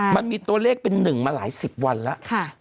มันมีตัวเลขเป็น๑มาหลายสิบวันแล้ว